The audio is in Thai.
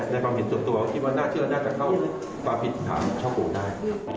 ในความเห็นตัวบ่วนที่ว่าน่าเชื่อน่าจะเข้ามีความผิดค่าช่อกงได้